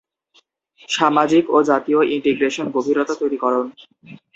সামাজিক ও জাতীয় ইন্টিগ্রেশন গভীরতা তৈরি করন।